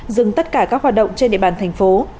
dừng tất cả các hoạt động trên địa bàn thành phố